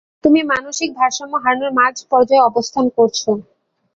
তুমি মানসিক ভারসাম্য হারানোর মাঝ পর্যায়ে অবস্থান করছ!